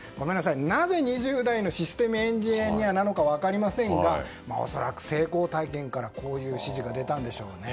なぜ２０代のシステムエンジニアなのか分かりませんが恐らく、成功体験からこういう指示が出たんでしょうね。